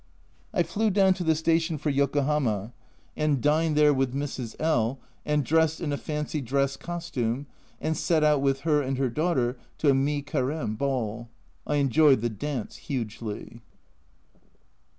I flew down to the station for Yokohama, and I2O A Journal from Japan dined there with Mrs. L , and dressed in a fancy dress costume and set out with her and her daughter to a mi careme ball. I enjoyed the dance hugely.